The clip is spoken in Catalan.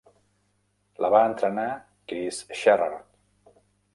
La va entrenar Kris Sherard.